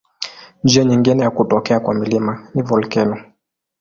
Njia nyingine ya kutokea kwa milima ni volkeno.